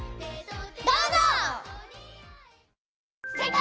どうぞ！